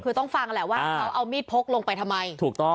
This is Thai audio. คือต้องฟังแหละว่าเขาเอามีดพกลงไปทำไมถูกต้อง